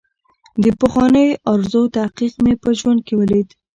د پخوانۍ ارزو تحقق مې په ژوند کې ولید.